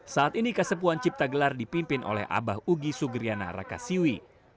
saat ini kasepuan cipta gelar dipimpin oleh abah ugi sugriana rakasiwi